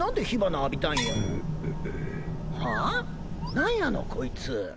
何やのこいつ。